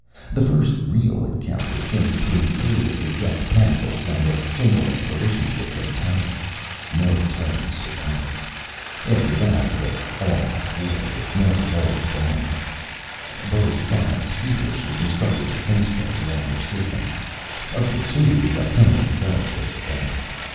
The first real encounter came between three of the yuk pencils and a single exploration ship from Terra. No Terrans survived. After that it was all out war, with no holds barred. Both sides feverishly constructed defense rings around their systems. Of the two, the Yucconae belt was the better.